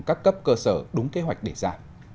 các cấp cơ sở đúng kế hoạch để ra